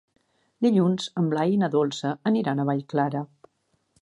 Dilluns en Blai i na Dolça aniran a Vallclara.